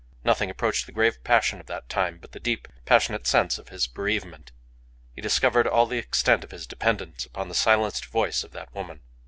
Nothing approached the grave passion of that time but the deep, passionate sense of his bereavement. He discovered all the extent of his dependence upon the silenced voice of that woman.